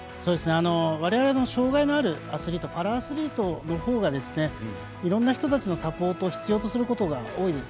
われわれ、障がいのあるアスリートパラアスリートのほうがいろんな人たちのサポートを必要とすることが多いです。